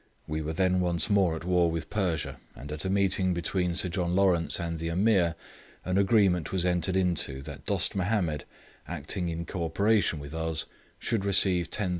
We were then once more at war with Persia; and at a meeting between Sir John Lawrence and the Ameer, an agreement was entered into that Dost Mahomed, acting in co operation with us, should receive 10,000_l_.